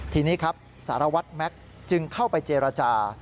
ทีนี้ครับสารวัตรแม็กซ์จึงเข้าไปเจรจา